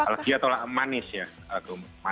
legi atau manis ya